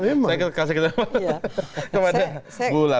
saya kasih kejelasan kepada bula